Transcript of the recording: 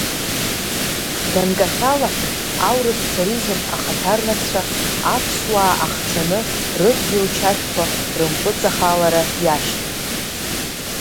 Ганкахьала, аурыс царизм ахаҭарнакцәа аԥсуаа ахцаны рыдгьыл чашәқәа рымпыҵахалара иашьҭан.